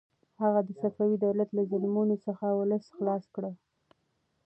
هغه د صفوي دولت له ظلمونو څخه ولس خلاص کړ.